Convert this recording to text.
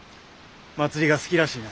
祭りが好きらしいな？